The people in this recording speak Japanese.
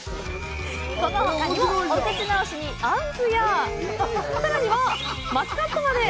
このほかにも、お口直しにアンズやさらにはマスカットまで！